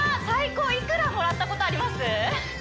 最高いくらもらったことあります？